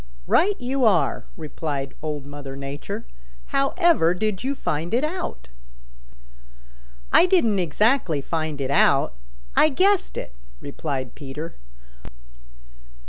"Right you are," replied Old Mother Nature. "However did you find it out?" "I didn't exactly find it out; I guessed it," replied Peter.